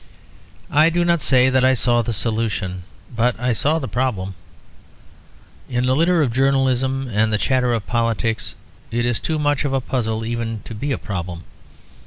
I do not say that I saw the solution; but I saw the problem. In the litter of journalism and the chatter of politics, it is too much of a puzzle even to be a problem.